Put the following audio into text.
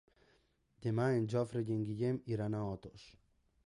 Demà en Jofre i en Guillem iran a Otos.